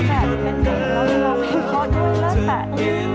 จะต้องแน่ใจกับคนเดิม